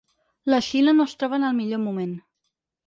La Xina no es troba en el millor moment.